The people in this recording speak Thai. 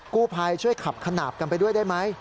กู้ภัยช่วยขับขนาบกันไปด้วยได้ไหม